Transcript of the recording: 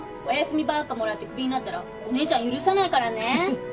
お休みばっかもらって首になったらお姉ちゃん許さないからね。